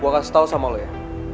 gue kasih tau sama lo ya